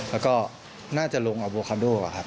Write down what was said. แล้วก็น่าจะลงอโวโคโดก่อนครับ